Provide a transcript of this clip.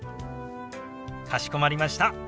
かしこまりました。